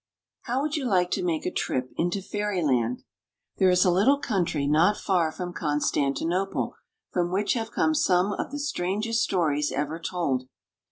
HOW would you like to make a trip into Fairyland ? There is a little country not far from Constantinople from which have come some of the strangest stories ever told.